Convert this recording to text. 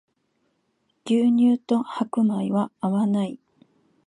牛乳と白米は合わない